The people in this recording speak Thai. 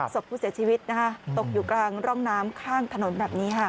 ศพผู้เสียชีวิตตกอยู่กลางร่องน้ำข้างถนนแบบนี้ค่ะ